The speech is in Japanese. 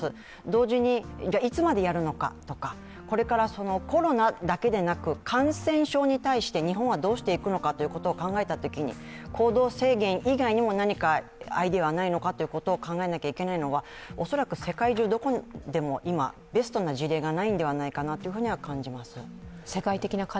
同時に、いつまでやるのかとか、これからコロナだけでなく感染症に対して日本はどうしていくのかを考えたときに行動制限以外にも何かアイデアはないかということを考えなきゃいけないのは、恐らく世界中どこでも今、ベストな事例がないんではないかと感じます。